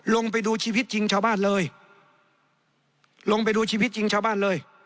ลงไปดูชีวิตจริงชาวบ้านเลย